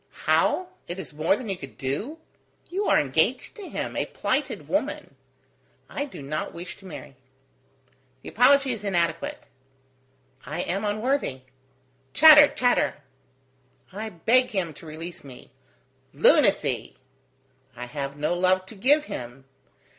"How, it is more than you can do? You are engaged to him, a plighted woman." "I do not wish to marry." "The apology is inadequate." "I am unworthy. .." "Chatter! chatter!" "I beg him to release me." "Lunacy!" "I have no love to give him."